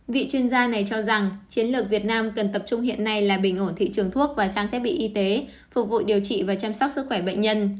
vị chuyên gia này cho rằng chiến lược việt nam cần tập trung hiện nay là bình ổn thị trường thuốc và trang thiết bị y tế phục vụ điều trị và chăm sóc sức khỏe bệnh nhân